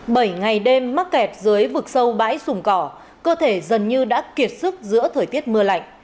bảy ngày đêm mắc kẹt dưới vực sâu bãi sùng cỏ cơ thể gần như đã kiệt sức giữa thời tiết mưa lạnh